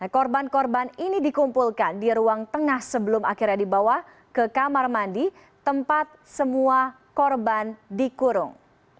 korban korban ini dikumpulkan di ruang tengah sebelum akhirnya dibawa ke kamar mandi tempat semua korban dikurung